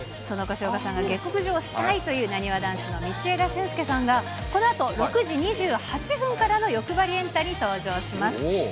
その越岡さんが下剋上したいというなにわ男子の道枝駿佑さんが、このあと、６時２８分からのよくばりエンタに登場します。